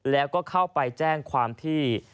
แล้วก็เข้าไปแจ้งความที่